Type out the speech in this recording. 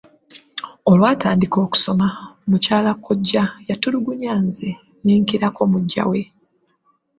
Olwatandika okusoma, mukyala kkojja yatulugunya nze ne nkirako muggya we.